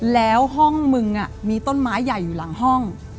แล้วห้องมึงมีต้นไม้ใหญ่อยู่หลังห้อง